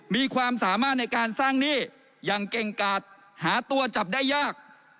มีความสามารถในการสร้างหนี้อย่างเก่งกาดหาตัวจับได้ยาก